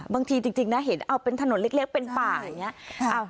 บางทีจริงเห็นเป็นถนนเล็กเป็นป่าอย่างนี้